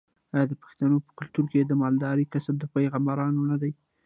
آیا د پښتنو په کلتور کې د مالدارۍ کسب د پیغمبرانو نه دی؟